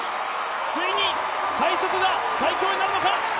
ついに最速が最強になるのか。